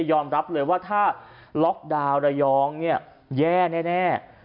ยอมรับเลยว่าถ้าล็อกดาวน์ระยองเนี่ยแย่แน่